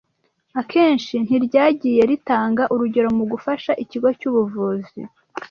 akenshi ntiryagiye ritanga urugero mu gufasha ikigo cy’ubuvuzi